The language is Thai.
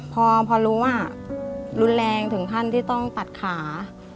พอรู้ว่ารุนแรงถึงขั้นที่ต้องตัดขา